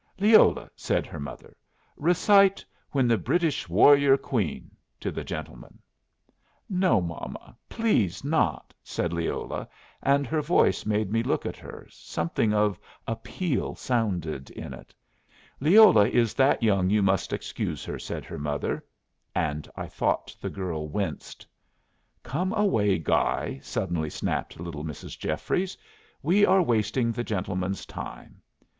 "Leola," said her mother, "recite 'When the British Warrior Queen' to the gentleman." "No, momma, please not," said Leola, and her voice made me look at her; something of appeal sounded in it. "Leola is that young you must excuse her," said her mother and I thought the girl winced. "Come away, Guy," suddenly snapped little Mrs. Jeffries. "We are wasting the gentleman's time.